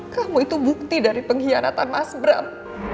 kamu itu bukti dari pengkhianatan mas bram